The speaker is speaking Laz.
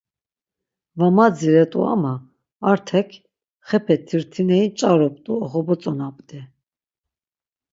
Va madziret̆u ama Artek, xepe tirtineri nç̌arumt̆u oxobotzonamt̆i.